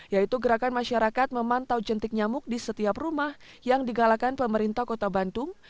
yaitu gerakan masyarakat memantau jentik nyamuk di setiap rumah yang digalakan pemerintah kota bandung